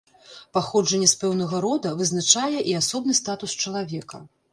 Паходжанне з пэўнага рода вызначае і асобны статус чалавека.